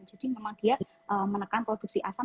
jadi memang dia menekan produksi asam